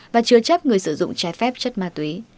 và chứa chấp người sử dụng trái phép chất ma túy